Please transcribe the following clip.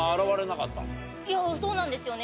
そうなんですよね